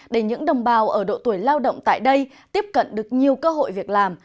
để những đồng bào ở độ tuổi lao động tại đây tiếp cận được nhiều cơ hội việc làm